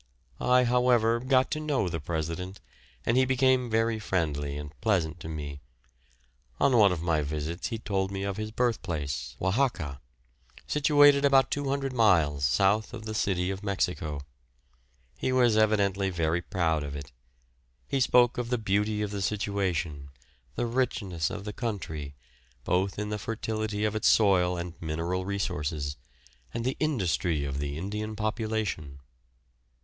I, however, got to know the President, and he became very friendly and pleasant to me. On one of my visits he told me of his birthplace, Oaxaca, situated about 200 miles south of the city of Mexico; he was evidently very proud of it. He spoke of the beauty of the situation, the richness of the country, both in the fertility of its soil and mineral resources, and the industry of the Indian population.